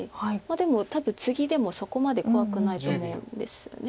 でも多分ツギでもそこまで怖くないと思うんですよね。